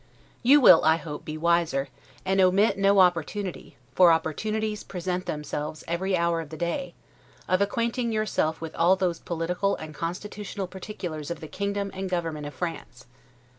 You will, I hope, be wiser, and omit no opportunity (for opportunities present themselves every hour of the day) of acquainting yourself with all those political and constitutional particulars of the kingdom and government of France.